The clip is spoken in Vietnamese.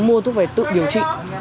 mua thuốc phải tự điều trị